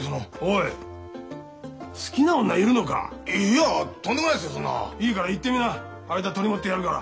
いいから言ってみな間取り持ってやるから。